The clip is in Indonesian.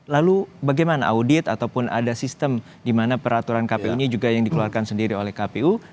lalu bagaimana audit ataupun ada sistem di mana peraturan kpu ini juga yang dikeluarkan sendiri oleh kpu